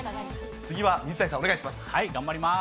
次は水谷さん、お願いします。